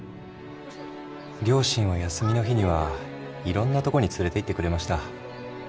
両親は休みの日にはいろんなとこに連れていってくれました。